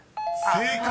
［正解！